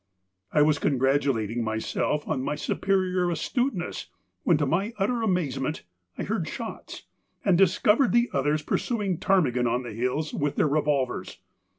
I was congratulating myself on my superior astuteness, when, to my utter amazement, I heard shots, and discovered the others pursuing ptarmigan on the hills with their revolvers.